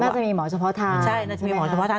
จะมีหมอเฉพาะทางใช่น่าจะมีหมอเฉพาะทาง